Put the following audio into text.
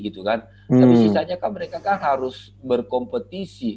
tapi sisanya mereka harus berkompetisi